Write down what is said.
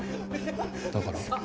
だから？